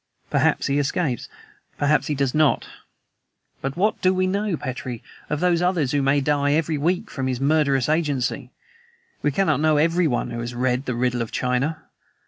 Perhaps he escapes; perhaps he does not. But what do we know, Petrie, of those others who may die every week by his murderous agency? We cannot know EVERYONE who has read the riddle of China.